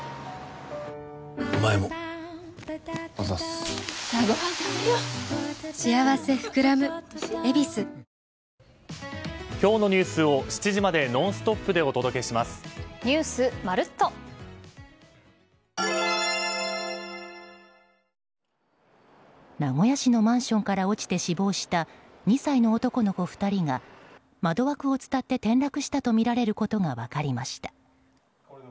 お前もあざす名古屋市のマンションから落ちて死亡した２歳の男の子２人が窓枠を伝って転落したとみられることが分かりました。